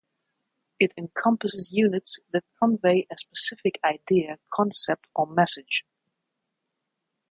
It encompasses units that convey a specific idea, concept, or message.